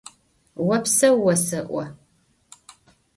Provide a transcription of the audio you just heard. Vopseu vose'o!